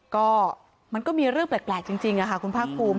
ก็มันก็มีเรื่องแปลกจริงค่ะคุณภาคภูมิ